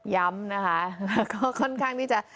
ย้ำนะคะก็ค่อนข้างที่จะ